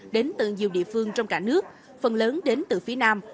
đến từ nhiều địa phương trong cả nước phần lớn đến từ phía nam